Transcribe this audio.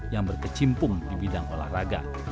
yang berkecimpung di bidang olahraga